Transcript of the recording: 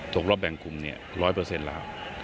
ตกรอบแบ่งกลุ่มเนี่ย๑๐๐แล้ว